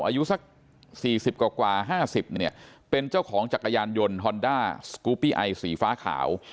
อายุสัก๔๐กว่า๕๐เนี่ยเป็นเจ้าของจักรยานยนต์ฮอนด้าสกูปปี้ไอสีฟ้าขาว